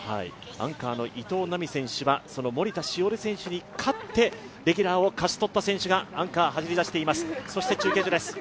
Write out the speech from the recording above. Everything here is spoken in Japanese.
アンカーの伊藤南美選手はその森田詩織選手に勝ってレギュラーを勝った選手がアンカーを走っています。